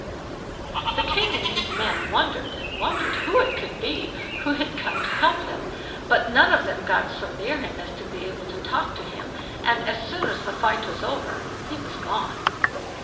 The king and his men wondered and wondered who it could be who had come to help them, but none of them got so near him as to be able to talk to him, and as soon as the fight was over he was gone.